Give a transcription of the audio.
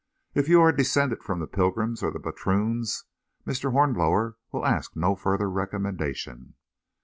If you are descended from the Pilgrims or the Patroons, Mr. Hornblower will ask no further recommendation.